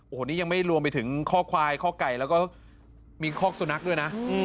โอ้โหนี่ยังไม่รวมไปถึงข้อควายข้อไก่แล้วก็มีคอกสุนัขด้วยนะ